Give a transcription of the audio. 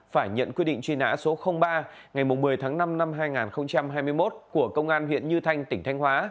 phải nhận quyết định truy nã số ba ngày một mươi tháng năm năm hai nghìn hai mươi một của công an huyện như thanh tỉnh thanh hóa